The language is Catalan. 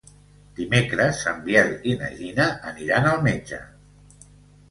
Dimecres en Biel i na Gina aniran al metge.